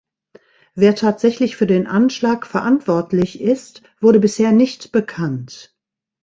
Wer tatsächlich für den Anschlag verantwortlich ist, wurde bisher nicht bekannt.